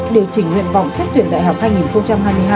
điều chỉnh nguyện vọng xét tuyển đại học hai nghìn hai mươi hai